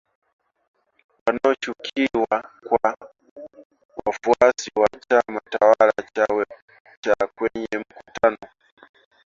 wanaoshukiwa kuwa wafuasi wa chama tawala cha kwenye mkutano